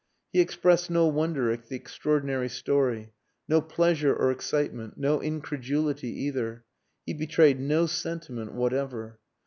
He expressed no wonder at the extraordinary story no pleasure or excitement no incredulity either. He betrayed no sentiment whatever.